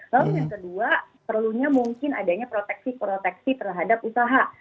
lalu yang kedua perlunya mungkin adanya proteksi proteksi terhadap usaha